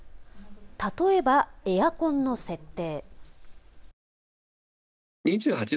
例えばエアコンの設定。